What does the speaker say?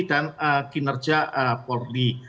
dan kinerja polri